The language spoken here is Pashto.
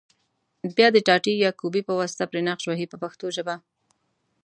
بیا د ټاټې یا کوبې په واسطه پرې نقش وهي په پښتو ژبه.